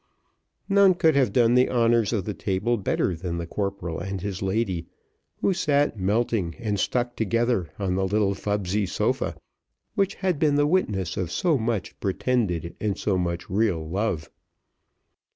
None could have done the honours of the table better than the corporal and his lady who sat melting and stuck together on the little fubsy sofa, which had been the witness of so much pretended and so much real love.